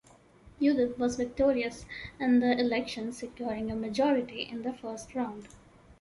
Uribe was victorious in the elections, securing a majority in the first round.